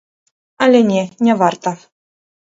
Але не, не варта.